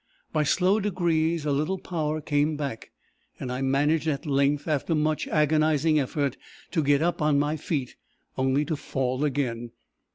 By slow degrees a little power came back, and I managed at length, after much agonizing effort, to get up on my feet only to fall again.